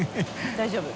大丈夫？